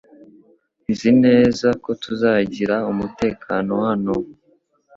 Nzi neza ko tuzagira umutekano hano .